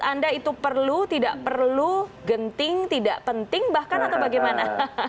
anda itu perlu tidak perlu genting tidak penting bahkan atau bagaimana